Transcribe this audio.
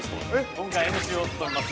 ◆今回、ＭＣを務めます